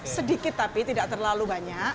sedikit tapi tidak terlalu banyak